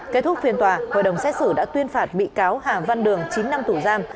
kết thúc phiên tòa hội đồng xét xử đã tuyên phạt bị cáo hà văn đường chín năm tù giam